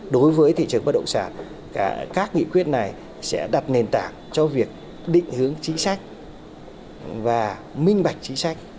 đối với thị trường bất động sản các nghị quyết này sẽ đặt nền tảng cho việc định hướng chính sách và minh bạch chính sách